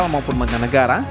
maupun pemenang negara